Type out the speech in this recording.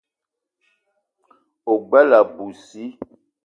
O gbele abui sii.